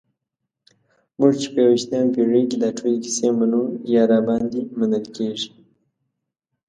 موږ چې په یویشتمه پېړۍ کې دا ټولې کیسې منو یا راباندې منل کېږي.